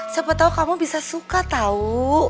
siapa tau kamu bisa suka tau